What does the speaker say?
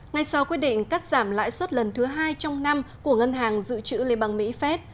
ngay sau quyết định cắt giảm lãi suất lần thứ hai trong năm của ngân hàng dự trữ liên bang mỹ fed